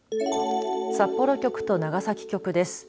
札幌局と長崎局です。